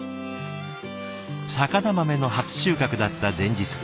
肴豆の初収穫だった前日。